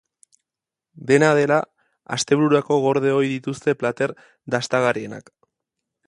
Dena dela, astebururako gorde ohi dituzte plater dastagarrienak.